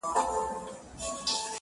o شیطان ګوره چي ایمان په کاڼو ولي,